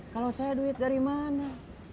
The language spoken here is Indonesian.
kalau saya duit dari mana